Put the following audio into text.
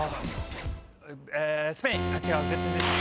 えスペイン。